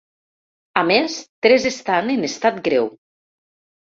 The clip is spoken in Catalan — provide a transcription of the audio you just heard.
A més, tres estan en estat greu.